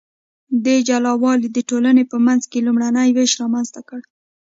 دې جلا والي د ټولنې په منځ کې لومړنی ویش رامنځته کړ.